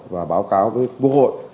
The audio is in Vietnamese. và báo cáo với quốc hội